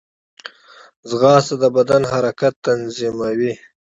ځغاسته د بدن حرکات تنظیموي